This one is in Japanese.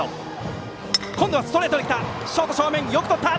今度はストレートできた！